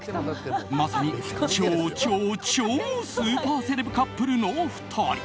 まさに、超超超スーパーセレブカップルの２人。